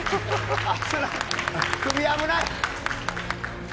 首危ない。